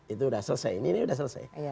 itu sudah selesai ini sudah selesai